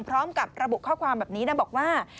พร้อมกับระบุข้อความแบบนี้นะบอกว่า